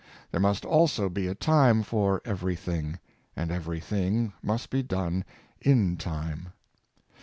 There must also be a time for every thing, and every thing must be done in time.